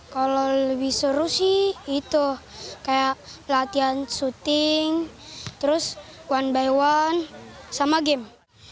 kalau lebih seru sih itu kayak latihan syuting terus one by one sama game